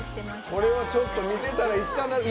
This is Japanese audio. これは、ちょっと見てたら行きたなる。